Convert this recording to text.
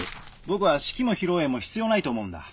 僕は式も披露宴も必要ないと思うんだ。